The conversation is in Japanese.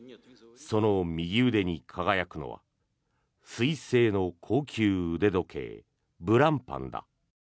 その右腕に輝くのはスイス製の高級腕時計ブランパンだ。